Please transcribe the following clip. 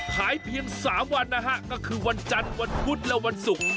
เพียง๓วันนะฮะก็คือวันจันทร์วันพุธและวันศุกร์